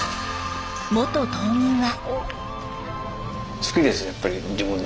元島民は。